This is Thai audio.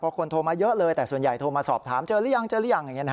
เพราะคนโทรมาเยอะเลยแต่ส่วนใหญ่โทรมาสอบถามเจอหรือยังเจอหรือยังอย่างนี้นะฮะ